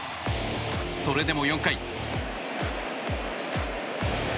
それでも４回。